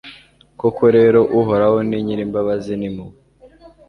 koko rero, uhoraho ni nyir'imbabazi n'impuhwe